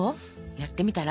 やってみたら？